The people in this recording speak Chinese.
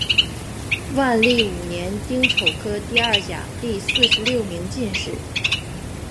万历五年丁丑科第二甲第四十六名进士。